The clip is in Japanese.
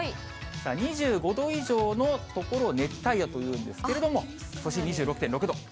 ２５度以上のところ、熱帯夜というんですけれども、都心２６．６度。